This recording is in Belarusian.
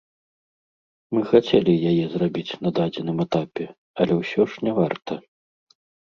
Мы хацелі яе зрабіць на дадзеным этапе, але ўсё ж не варта.